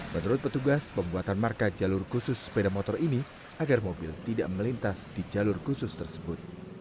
menurut petugas pembuatan marka jalur khusus sepeda motor ini agar mobil tidak melintas di jalur khusus tersebut